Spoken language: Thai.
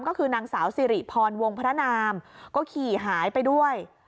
ก็คือนางสาวสิริพรวงพระนามก็ขี่หายไปด้วย